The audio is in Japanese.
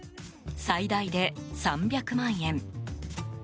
最大で３００万円。